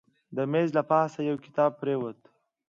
د میز له پاسه یو کتاب پرېوت.